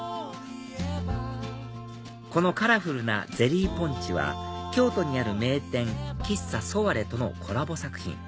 このカラフルな『ゼリーポンチ』は京都にある名店喫茶ソワレとのコラボ作品